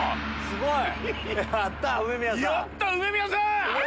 すごい！